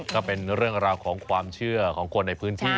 ก็เป็นเรื่องราวของความเชื่อของคนในพื้นที่